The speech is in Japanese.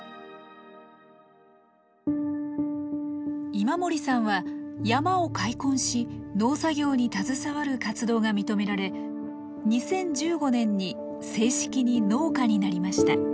今森さんは山を開墾し農作業に携わる活動が認められ２０１５年に正式に農家になりました。